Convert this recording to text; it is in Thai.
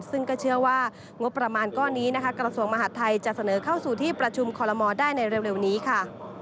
ซึ่งก็เชื่อว่างบประมาณก้อนนี้นะคะกระทรวงมหาดไทยจะเสนอเข้าสู่ที่ประชุมคอลโมได้ในเร็วนี้ค่ะ